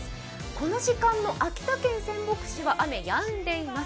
この時間の秋田県仙北市は雨、やんでいます。